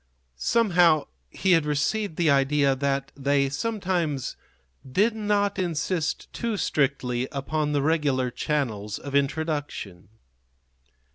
Somehow he had received the idea that they sometimes did not insist too strictly upon the regular channels of introduction.